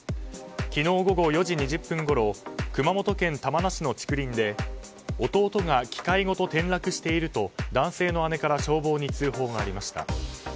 昨日午後４時２０分ごろ熊本県玉名市の竹林で弟が機械ごと連絡していると男性の姉から消防に通報がありました。